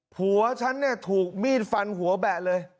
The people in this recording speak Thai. ผัวฉันเนี่ยถูกมีดฟันหัวแบะเลย